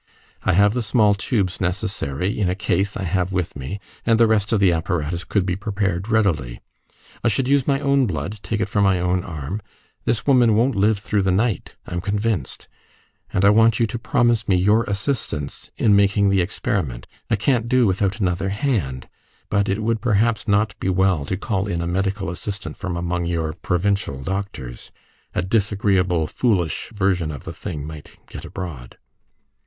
I have the small tubes necessary, in a case I have with me, and the rest of the apparatus could be prepared readily. I should use my own blood take it from my own arm. This woman won't live through the night, I'm convinced, and I want you to promise me your assistance in making the experiment. I can't do without another hand, but it would perhaps not be well to call in a medical assistant from among your provincial doctors. A disagreeable foolish version of the thing might get abroad."